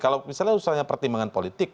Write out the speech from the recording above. kalau misalnya pertimbangan politik